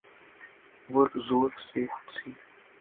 وہ زور سے ہنسی۔